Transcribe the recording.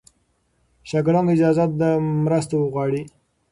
شاګرد ته اجازه ده مرسته وغواړي.